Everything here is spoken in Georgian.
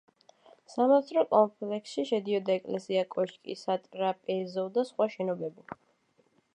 სამონასტრო კომპლექსში შედიოდა ეკლესია, კოშკი, სატრაპეზო და სხვა შენობები.